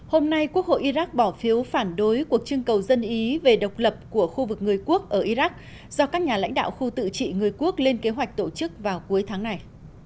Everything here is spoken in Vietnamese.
hôm nay quốc hội iraq bỏ phiếu phản đối cuộc trưng cầu dân ý về độc lập của khu vực người quốc ở iraq do các nhà lãnh đạo khu tự trị người quốc lên kế hoạch tổ chức vào cuối tháng này